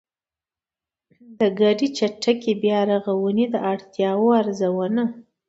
د ګډې چټکې بيا رغونې د اړتیاوو ارزونه